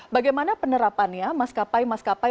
bagaimana penerapannya mas kapai